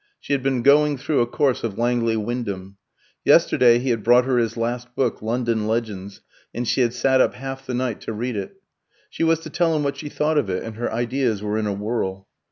She had been going through a course of Langley Wyndham. Yesterday he had brought her his last book, "London Legends," and she had sat up half the night to read it. She was to tell him what she thought of it, and her ideas were in a whirl.